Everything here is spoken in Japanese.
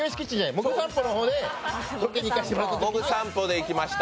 「モグ散歩」で行きました。